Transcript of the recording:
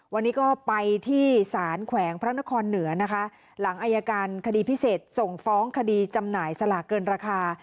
วันนี้ก็ไปที่สารแขวงพระนครเหนือนะคะหลังอายการคดีพิเศษส่งฟ้องคดีจำหน่ายสลากเกินราคา